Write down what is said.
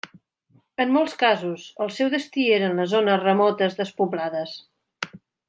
En molts casos, el seu destí eren les zones remotes despoblades.